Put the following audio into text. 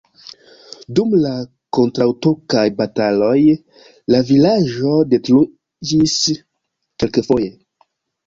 Dum la kontraŭturkaj bataloj la vilaĝo detruiĝis kelkfoje.